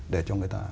để cho người ta